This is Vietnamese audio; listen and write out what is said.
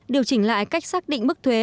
điều chỉnh lại cách xác định mức thuế